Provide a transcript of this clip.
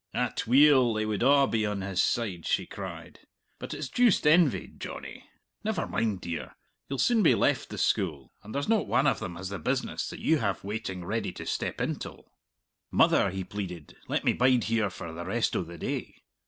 "Atweel, they would a' be on his side," she cried. "But it's juist envy, Johnny. Never mind, dear; you'll soon be left the school, and there's not wan of them has the business that you have waiting ready to step intil." "Mother," he pleaded, "let me bide here for the rest o' the day!"